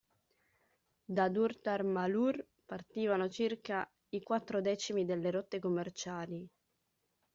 Da Durtar Malur partivano circa i quattro decimi delle rotte commerciali.